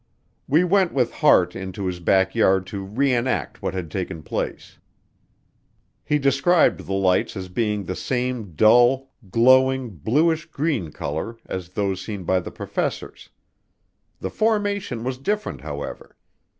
We went with Hart into his back yard to re enact what had taken place. He described the lights as being the same dull, glowing bluish green color as those seen by the professors. The formation was different, however.